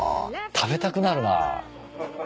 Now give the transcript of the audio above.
食べたくなるな。